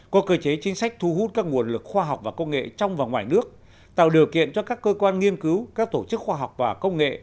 có cơ chế chính sách thu hút các nguồn lực khoa học và công nghệ trong và ngoài nước tạo điều kiện cho các cơ quan nghiên cứu các tổ chức khoa học và công nghệ